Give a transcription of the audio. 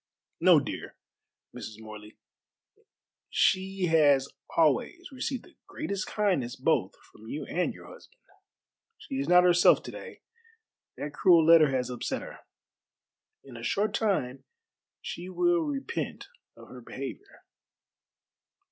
"No, dear Mrs. Morley, she has always received the greatest kindness both from you and your husband. She is not herself to day that cruel letter has upset her. In a short time she will repent of her behavior."